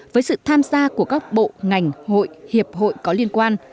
với sự tham gia của các bộ ngành hội hiệp hội có liên quan